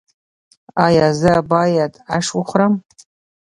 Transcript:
ایا زه باید اش وخورم؟